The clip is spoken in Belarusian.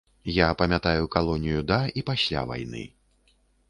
Я памятаю калонію да і пасля вайны.